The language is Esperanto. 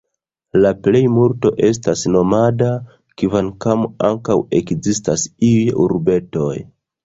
La plejmulto estas nomada, kvankam ankaŭ ekzistas iuj urbetoj.